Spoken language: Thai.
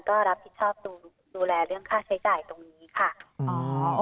ก็รับผิดชอบดูแลเรื่องค่าใช้จ่ายตรงนี้ค่ะ